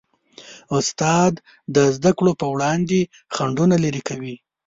استاد د زدهکړو په وړاندې خنډونه لیرې کوي.